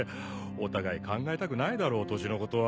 お互い考えたくないだろ年のことは。